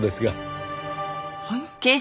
はい？